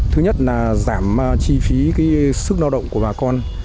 thứ nhất là giảm chi phí sức lao động của bà con